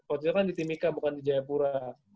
oh di tim ika bukan di jayapura